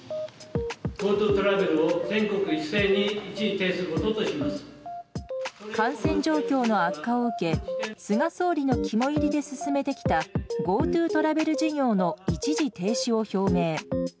ＧｏＴｏトラベルを全国一感染状況の悪化を受け、菅総理の肝煎りで進めてきたＧｏＴｏトラベル事業の一時停止を表明。